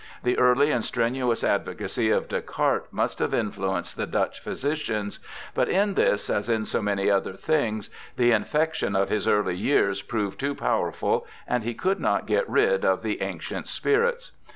The early and strenuous advocacy of Descartes must have influenced the Dutch physicians ; but in this, as in so many other things, the infection of his early years proved too powerful, and he could not get rid of the ' ancient spirits